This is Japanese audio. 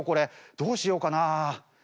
どうしようかな。